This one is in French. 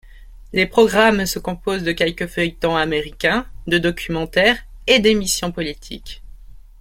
Les programmes se composent de quelques feuilletons américains, de documentaires et d’émissions politiques.